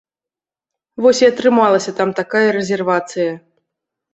Вось і атрымалася там такая рэзервацыя.